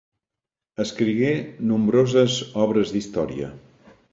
Escrigué nombroses obres d'història.